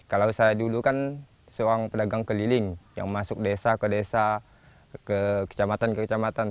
kalau saya dulu kan seorang pedagang keliling yang masuk desa ke desa ke kecamatan ke kecamatan